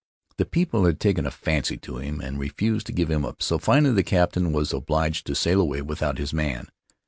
The people had taken a fancy to him and refused to give him up, so finally the captain was obliged to sail away without his man.